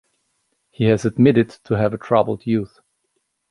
He has admitted to having a troubled youth.